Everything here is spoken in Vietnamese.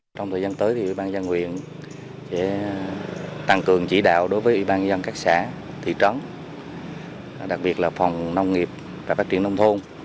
trong thời gian tới ubnd sẽ tăng cường chỉ đạo đối với ubnd các xã thị trấn đặc biệt là phòng nông nghiệp và phát triển nông thôn